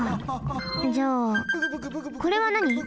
じゃあこれはなに？